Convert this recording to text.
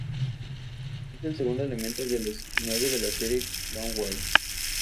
Es el segundo elemento de los nueve de la serie Clone Wars.